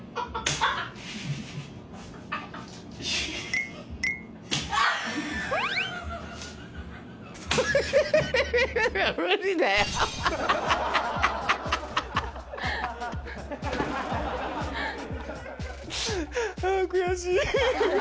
ああ、悔しい。